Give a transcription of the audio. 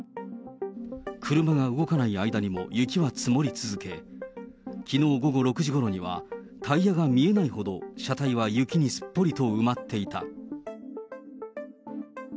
車が動かない間にも雪は積もり続け、きのう午後６時ごろには、タイヤが見えないほど、車体は雪にすっぽりと埋まっていた。